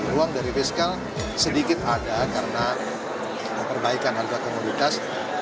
ruang dari fiskal sedikit ada karena perbaikan harga komoditas